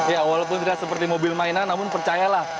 ya walaupun tidak seperti mobil mainan namun percayalah